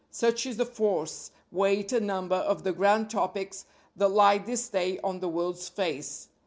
Such is the force, weight and number of the grand topics that lie this day on the world's face.